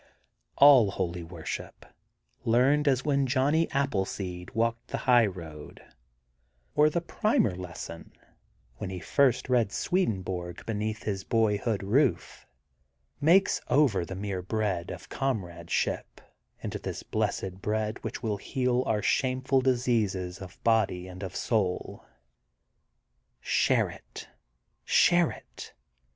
A11 Holy worship, learned, as when John ny Appleseed walked the highroad, or the primer lesson when he first read Swedenborg beneath his boyhood roof, makes over the mere bread of comradeship into this blessed bread which will heal our shameful diseases of body and of soul. Share it, share it!